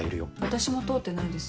私も通ってないです。